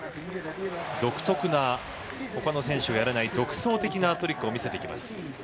ほかの選手がやらない独創的なトリックを見せてきます。